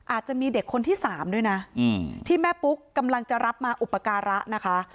อาจจะมีเด็กคนที่๓ด้วยนะที่แม่ปุ๊กกำลังจะรับมาอุปการะนะคะ